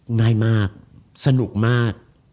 ง่ายมากสนุกมาก